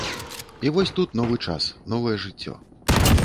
І вось тут новы час, новае жыццё.